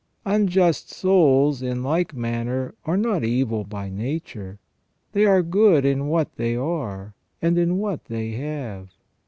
* Unjust souls, in like manner, are not evil by nature. They are good in what they are, and in what they have.